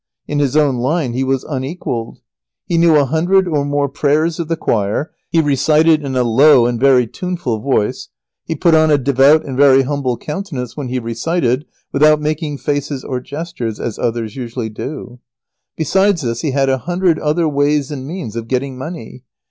In his own line he was unequalled. He knew a hundred or more prayers of the choir, he recited in a low and very tuneful voice, he put on a devout and very humble countenance when he recited, without making faces or gestures as others usually do. Besides this he had a hundred other ways and means of getting money.